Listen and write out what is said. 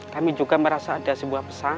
kami juga merasa ada sebuah pesan